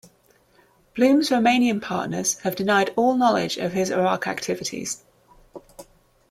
Bloom's Romanian partners have denied all knowledge of his Iraq activities.